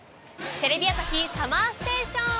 テレビ朝日ＳＵＭＭＥＲＳＴＡＴＩＯＮ。